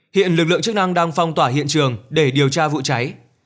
hiện lực lượng chức năng đang phong tỏa hiện trường để điều tra vụ cháy